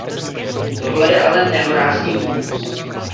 Tohle je ale nehorázný humus.